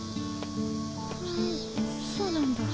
ふんそうなんだ。